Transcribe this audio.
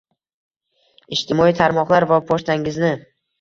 Ijtimoiy tarmoqlar va pochtangizni